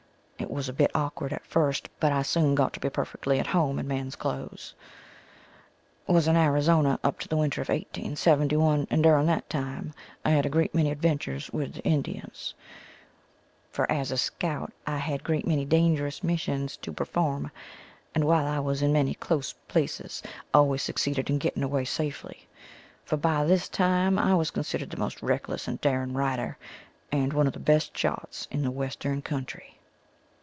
It was a bit awkward at first but I soon got to be perfectly at home in men's clothes. Was in Arizona up to the winter of 1871 and during that time I had a great many adventures with the Indians, for as a scout I had a great many dangerous missions to perform and while I was in many close places always succeeded in getting away safely for by this time I was considered the most reckless and daring rider and one of the best shots in the western country.